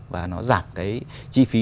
và nó giảm cái chi phí